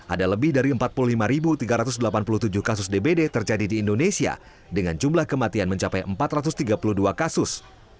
ada lebih dari empat puluh lima tiga ratus delapan puluh tujuh kasus dbd terjadi di indonesia dengan jumlah kematian mencapai empat ratus tiga puluh dua kasus